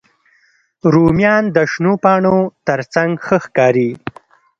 رومیان د شنو پاڼو تر څنګ ښه ښکاري